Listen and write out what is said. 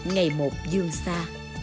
ngày một dương xa